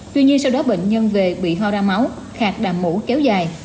tuy nhiên sau đó bệnh nhân về bị ho ra máu khạc đàm mũ kéo dài